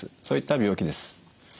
そういった病気です。